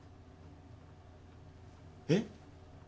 えっ？